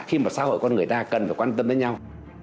khi mà xã hội con người ta cần phải quan tâm đến nhau